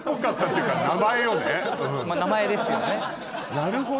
なるほど。